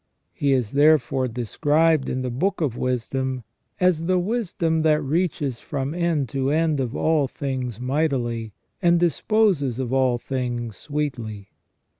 He is therefore described in the Book of Wisdom as the wisdom that " reaches from end to end of all things mightily, and disposes of all things sweetly